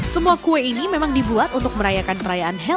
semua kue ini memang dibuat untuk merayakan perayaan